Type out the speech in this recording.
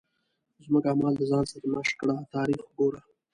زموږ اعمال د ځان سرمشق کړه تاریخ ګوره.